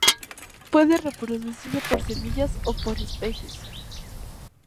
Puede reproducirse por semillas o por esquejes.